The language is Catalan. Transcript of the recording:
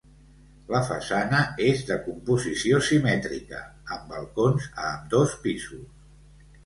La façana és de composició simètrica, amb balcons a ambdós pisos.